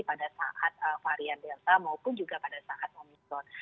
pada saat varian delta maupun juga pada saat omikron